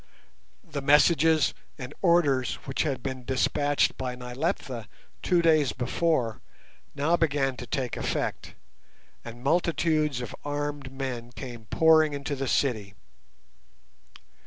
The messages and orders which had been despatched by Nyleptha two days before now began to take effect, and multitudes of armed men came pouring into the city.